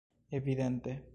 Evidente!